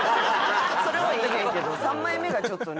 それはいいねんけど３枚目がちょっとね